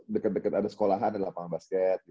deket deket ada sekolahan ada lapangan basket